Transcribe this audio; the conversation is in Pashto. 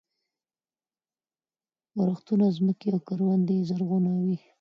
ورښتونه ځمکې او کروندې زرغونوي.